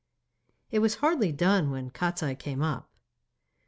It was hardly done when Kostiei came up.